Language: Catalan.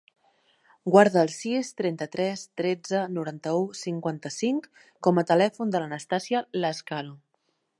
Guarda el sis, trenta-tres, tretze, noranta-u, cinquanta-cinc com a telèfon de l'Anastàsia Lazcano.